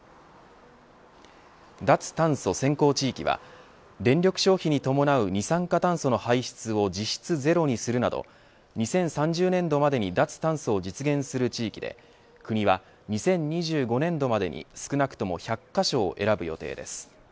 脱炭素先行地域は電力消費に伴う二酸化炭素の排出を実質ゼロにするなど２０３０年度までに脱炭素を実現する地域で国は２０２５年度までに少なくとも１００カ所を選ぶ予定です。